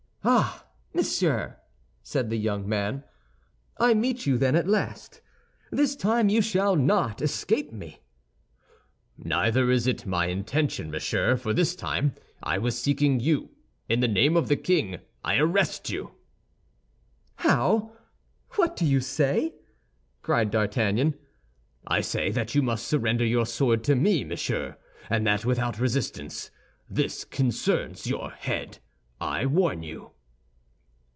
"Ah, monsieur!" said the young man, "I meet you, then, at last! This time you shall not escape me!" "Neither is it my intention, monsieur, for this time I was seeking you; in the name of the king, I arrest you." "How! what do you say?" cried D'Artagnan. "I say that you must surrender your sword to me, monsieur, and that without resistance. This concerns your head, I warn you."